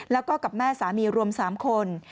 แล้วก็กับแม่สามีรวม๓คน